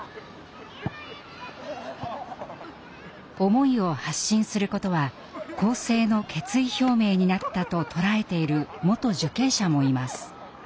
思いを発信することは更生の決意表明になったと捉えている元受刑者もいます。